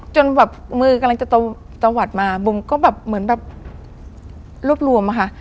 จนแบบมือกำลังจะตะวัดมาบุ๋มก็แบบเหมือนแบบรวบรวมอะค่ะ